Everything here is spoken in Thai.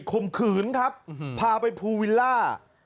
มขืนครับพาไปภูวิลล่า